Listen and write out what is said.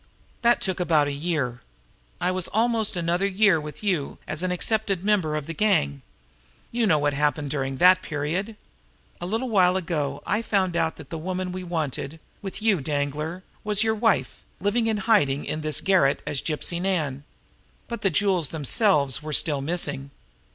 That took about a year. I was almost another year with you as an accepted member of the gang. You know what happened during that period. A little while ago I found out that the woman we wanted with you, Danglar was your wife, living in hiding in this garret as Gypsy Nan. But the jewels themselves were still missing.